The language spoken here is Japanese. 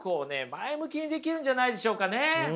前向きにできるんじゃないでしょうかね。